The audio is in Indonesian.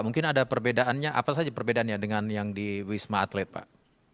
mungkin ada perbedaannya apa saja perbedaannya dengan yang di wisma atlet pak